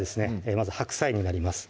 まず白菜になります